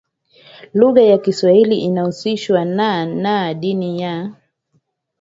Lugha ya kiswahili ilihusishwa na na dini ya